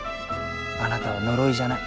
あなたは呪いじゃない。